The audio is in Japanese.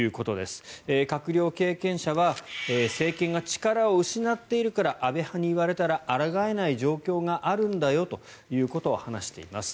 閣僚経験者は政権が力を失っているから安倍派に言われたらあらがえない状況があるんだよということを話しています。